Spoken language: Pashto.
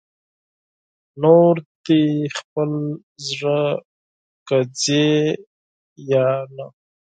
نور دې خپل زړه که ځې یا نه